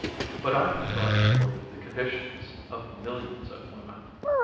But I have brought before you the condition of millions of women.